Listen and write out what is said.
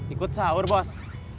ikut sahur bos